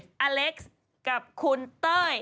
นุ่มอเลกส์กับคุณเต้ย